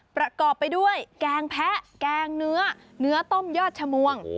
ประกอบไปด้วยแกงแพะแกงเนื้อเนื้อต้มยอดชมวง